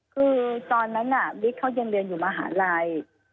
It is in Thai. คือตอนนั้นบิ๊กเขายังเรียนอยู่มหาลัย